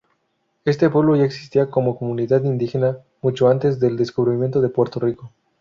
Este pueblo ya existía como comunidad indígena mucho antes del descubrimiento de Puerto Rico.